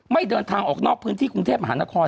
เดินทางออกนอกพื้นที่กรุงเทพมหานคร